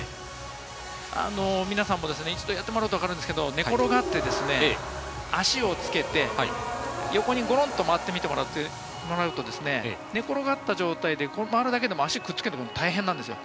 皆さんも一度やってもうらうと分かるんですが、寝転がって、足をつけて、横にゴロンと回ってもらうと、寝転がった状態で回るだけでも足をくっつけるのは大変なんですよ。